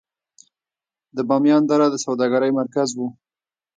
د بامیان دره د سوداګرۍ مرکز و